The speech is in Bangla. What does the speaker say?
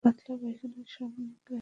কিন্তু উহাকে বাড়ি হইতে বাহির করিয়া দেও।